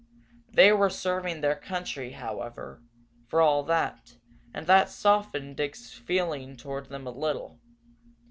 They were serving their country, however, for all that, and that softened Dick's feeling toward them a little.